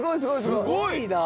すごいな。